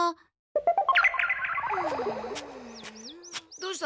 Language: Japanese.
どうした？